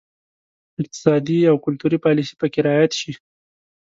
اقتصادي او کلتوري پالیسي پکې رعایت شي.